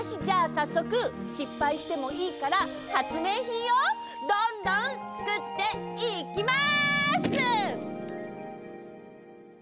さっそくしっぱいしてもいいからはつめいひんをどんどんつくっていきます！